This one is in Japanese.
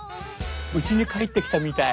うちに帰ってきたみたい。